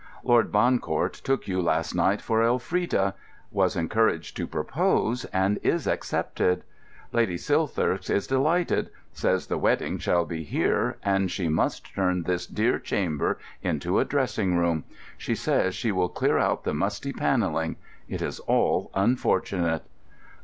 Lord Bancourt took you last night for Elfrida, was encouraged to propose, and is accepted. Lady Silthirsk is delighted, says the wedding shall be here, and she must turn this dear chamber into a dressing room. She says she will clear out the musty panelling. It is all unfortunate."